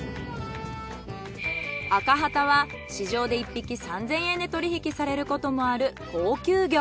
アカハタは市場で１匹３，０００円で取り引きされることもある高級魚。